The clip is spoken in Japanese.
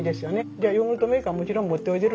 じゃあヨーグルトメーカーもちろん持っておいでるんですね。